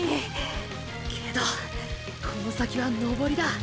けどこの先は登りだ。